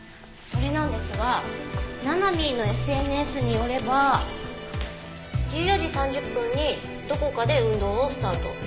それなんですがななみーのＳＮＳによれば１４時３０分にどこかで運動をスタート。